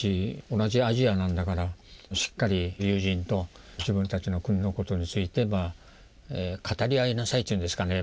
同じアジアなんだからしっかり友人と自分たちの国のことについて語り合いなさいというんですかね。